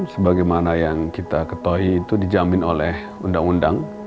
sebagaimana yang kita ketahui itu dijamin oleh undang undang